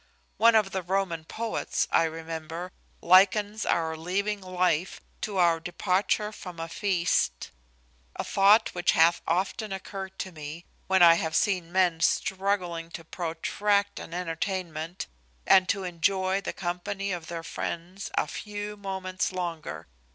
One of the Roman poets, I remember, likens our leaving life to our departure from a feast; a thought which hath often occurred to me when I have seen men struggling to protract an entertainment, and to enjoy the company of their friends a few moments longer.